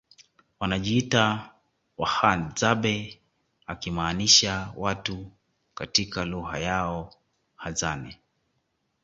wanajiita Wahadzabe akimaanisha watu katika lugha yao Hadzane